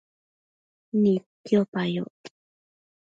Nidquipa yoc